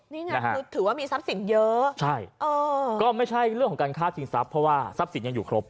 นี่ไงคือถือว่ามีทรัพย์สินเยอะใช่ก็ไม่ใช่เรื่องของการฆ่าชิงทรัพย์เพราะว่าทรัพย์สินยังอยู่ครบ